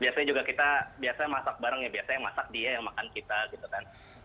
biasanya juga kita biasanya masak bareng ya biasanya masak dia yang makan kita gitu kan